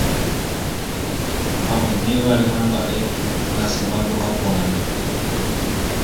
ha umívare ha mba'e nachemandu'aporãi.